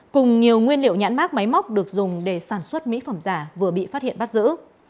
cùng nhiều nguyên liệu nhãn mát máy móc được dùng để sản xuất mỹ phẩm giả vừa bị phát hiện bắt giữ